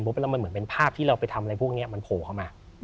แล้วมันเหมือนเป็นภาพที่เราไปทำอะไรพวกนี้มันโผล่เข้ามา